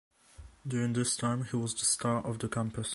During this time, he was the star of the campus.